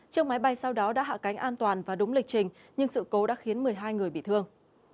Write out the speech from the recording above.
chiếc máy bay sau đó đã hạ cánh an toàn và đúng lịch trình nhưng sự cố đã khiến một mươi hai người bị thương